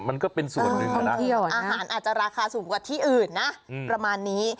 มันก็เป็นส่วนหนึ่งเขานะอาหารอาจจะราคาสูงกว่าที่อื่นนะประมาณนี้